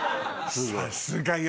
さすがよ。